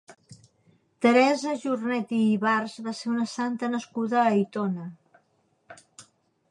Teresa Jornet i Ibars va ser una santa nascuda a Aitona.